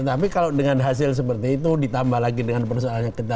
tetapi kalau dengan hasil seperti itu ditambah lagi dengan persoalannya kita